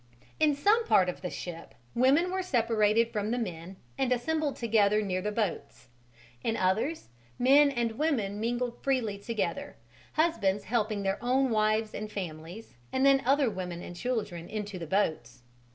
In some parts of the ship women were separated from the men and assembled together near the boats, in others men and women mingled freely together, husbands helping their own wives and families and then other women and children into the boats.